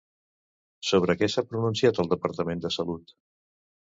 Sobre què s'ha pronunciat el Departament de Salut?